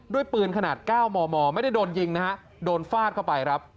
ด้วยปืนขนาด๙หมอไม่ได้โดนยิงนะครับโดนฟาดเข้าไป